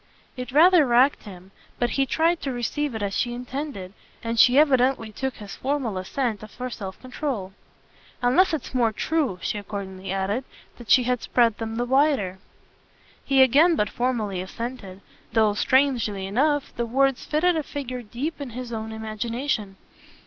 It rather racked him, but he tried to receive it as she intended, and she evidently took his formal assent for self control. "Unless it's more true," she accordingly added, "that she has spread them the wider." He again but formally assented, though, strangely enough, the words fitted a figure deep in his own imagination.